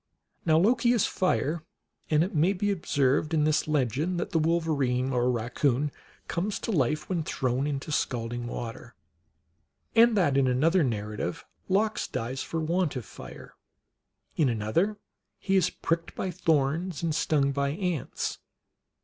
Now Loki is Fire ; and it may be ob served in this legend that the wolverine or raccoon comes to life when thrown into scalding water, and that in another narrative Lox dies for want of fire ; in another he is pricked by thorns and stung by ants.